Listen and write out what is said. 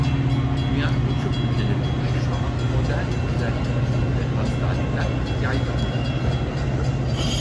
Dünyanın birçok ülkelerinde şu an modern özel klinik ve hastaneler yaygın bulunuyor.